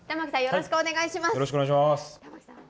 よろしくお願いします。